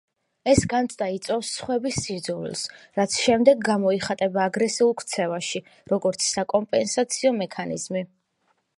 ეს განცდა იწვევს სხვების სიძულვილს, რაც შემდეგ გამოიხატება აგრესიულ ქცევაში, როგორც საკომპენსაციო მექანიზმი.